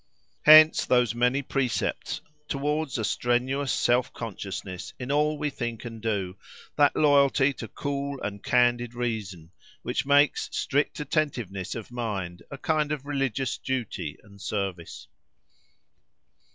Hence those many precepts towards a strenuous self consciousness in all we think and do, that loyalty to cool and candid reason, which makes strict attentiveness of mind a kind of religious duty and service.